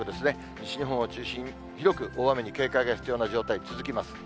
西日本を中心に、広く大雨に警戒が必要な状態続きます。